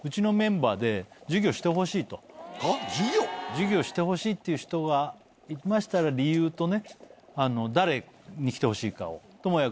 授業してほしいっていう人がいましたら理由と誰に来てほしいかを。